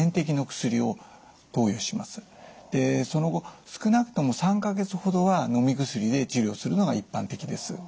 でその後少なくとも３か月ほどはのみ薬で治療するのが一般的です。